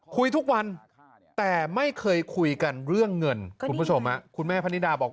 คุยทุกวันแต่ไม่เคยคุยกันเรื่องเงินคุณผู้ชมคุณแม่พนิดาบอก